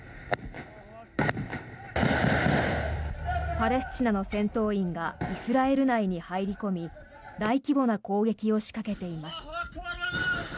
パレスチナの戦闘員がイスラエル内に入り込み大規模な攻撃を仕掛けています。